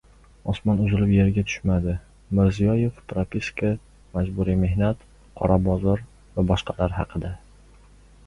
«Osmon uzilib yerga tushmadi»: Mirziyoyev propiska, majburiy mehnat, «qora bozor» va boshqalar haqida